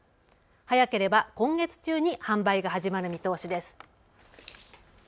早ければ今月中に販売が始まる見通しです。